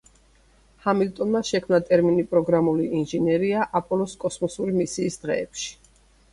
ჰამილტონმა შექმნა ტერმინი პროგრამული ინჟინერია აპოლოს კოსმოსური მისიის დღეებში.